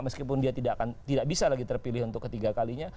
meskipun dia tidak bisa lagi terpilih untuk ketiga kalinya